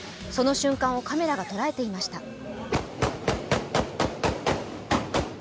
その瞬間をカメラが捉えていました。